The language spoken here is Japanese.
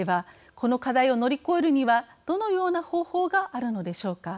この課題を乗り越えるにはどのような方法があるのでしょうか。